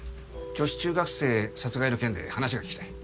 女子中学生殺害の件で話が聞きたい。